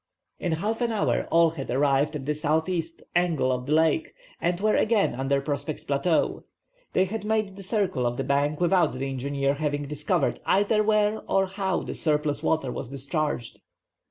In half an hour all had arrived at the southeast angle of the lake, and were again upon Prospect Plateau. They had made the circle of the bank without the engineer having discovered either where or how the surplus water was discharged.